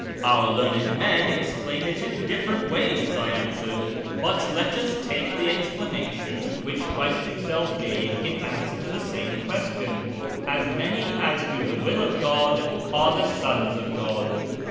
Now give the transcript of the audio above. Our learned men explain it in different ways," I answered ;" but let us take the explanation which Christ Himself gave in answer to the same question —' As many as do the will of God are the sons of God.'